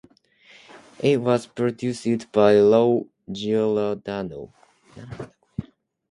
It was produced by Lou Giordano.